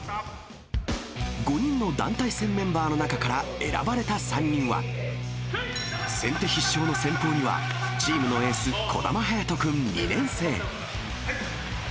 ５人の団体戦メンバーの中から選ばれた３人は、先手必勝の先鋒にはチームのエース、児玉颯飛君２年生。